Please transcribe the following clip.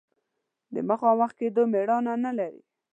د مخامخ کېدو مېړانه نه لري.